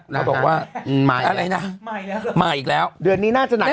เขาบอกว่าอะไรนะมาอีกแล้วเดือนนี้น่าจะหนักหน่อย